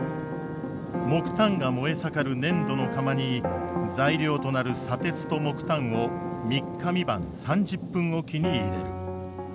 木炭が燃え盛る粘土の釜に材料となる砂鉄と木炭を３日３晩３０分置きに入れる。